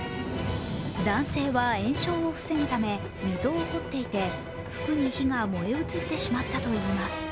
男性は延焼を防ぐため、溝を掘っていて服に火が燃え移ってしまったといいます。